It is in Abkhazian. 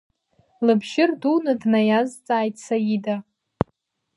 Лыбжьы рдуны днаиазҵааит Саида.